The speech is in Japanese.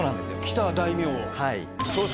来た大名を。